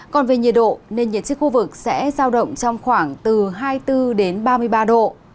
còn về nhiệt độ nền nhiệt trên khu vực sẽ giao động trong khoảng từ hai mươi bốn đến ba mươi ba độ